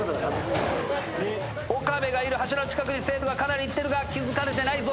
岡部がいる柱の近くに生徒がかなり行ってるが気付かれてないぞ。